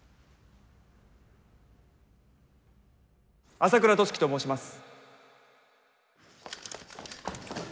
朝倉寿喜と申します。